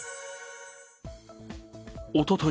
おととい